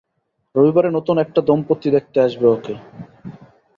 রবিবারে নতুন একটা দম্পতি দেখতে আসবে ওকে।